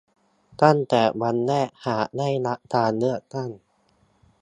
ตั้งแต่วันแรกหากได้รับการเลือกตั้ง